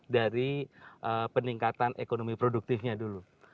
jadi peningkatan ekonomi produktifnya dulu